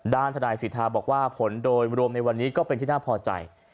ทนายสิทธาบอกว่าผลโดยรวมในวันนี้ก็เป็นที่น่าพอใจ